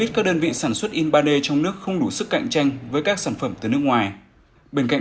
trong điều trị bệnh để dân trở nên phổ biến